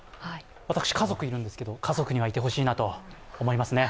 私、家族がいるんですけど家族にはいてほしいと思いますね。